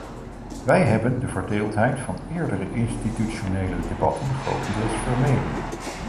Wij hebben de verdeeldheid van eerdere institutionele debatten grotendeels vermeden.